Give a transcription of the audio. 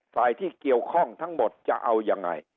ฝ่ายที่เกี่ยวข้องทั้งหมดจะเอายังไง